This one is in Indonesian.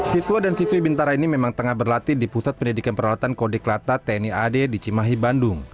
siswa dan siswi bintara ini memang tengah berlatih di pusat pendidikan peralatan kode klata tni ad di cimahi bandung